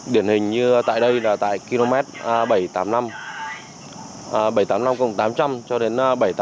điển hình như tại đây là tại km bảy trăm tám mươi năm bảy trăm tám mươi năm tám trăm linh cho đến bảy trăm tám mươi